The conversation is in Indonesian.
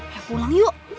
ya pulang yuk